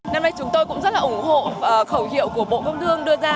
năm nay chúng tôi cũng rất là ủng hộ khẩu hiệu của bộ công thương đưa ra